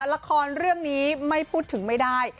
ละครเรื่องนี้ไม่พูดถึงไม่ได้